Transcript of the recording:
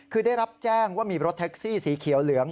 คือได้รับแจ้งว่ามีรถแท็กซี่สีเขียวเหลือง